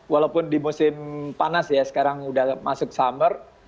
walaupun di musim panas ya sekarang udah masuk summer